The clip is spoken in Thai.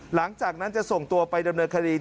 หลังจากนั้นจะส่งตัวไปดำเนินคดี